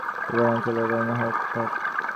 কঠিন গলায় বললেন, চলুন রওনা হওয়া যাক।